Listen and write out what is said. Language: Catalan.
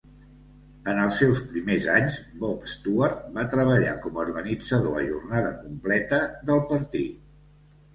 En els seus primers anys, Bob Stewart va treballar com a organitzador a jornada completa del partit.